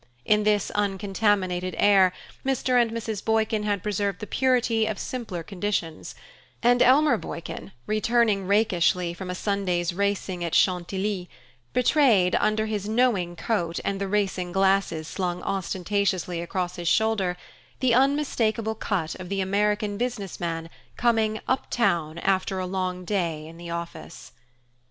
In this uncontaminated air Mr. and Mrs. Boykin had preserved the purity of simpler conditions, and Elmer Boykin, returning rakishly from a Sunday's racing at Chantilly, betrayed, under his "knowing" coat and the racing glasses slung ostentatiously across his shoulder, the unmistakeable cut of the American business man coming "up town" after a long day in the office.